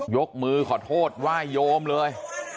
ยกมือขอโทษไหว้โยมเลย